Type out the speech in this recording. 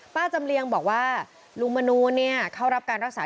จำเลียงบอกว่าลุงมนูลเข้ารับการรักษา